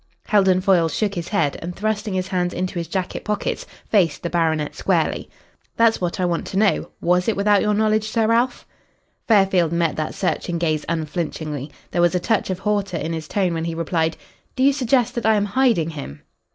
Heldon Foyle shook his head, and thrusting his hands into his jacket pockets faced the baronet squarely. "That's what I want to know. Was it without your knowledge, Sir Ralph?" Fairfield met that searching gaze unflinchingly. There was a touch of hauteur in his tone when he replied, "Do you suggest that I am hiding him?"